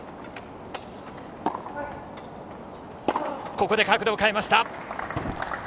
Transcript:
ここで角度を変えました！